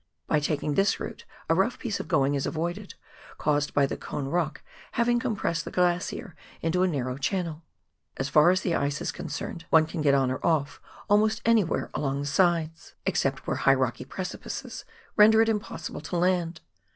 By taking this route a rough piece of going is avoided, caused by the Cone Rock having compressed the glacier into a narrow channel. As far as the ice is con cerned one can get on or off almost anywhere along the sides. COOK RIVER — FOX GLACIER. 105 except where high rocky precipices render it impossible to land.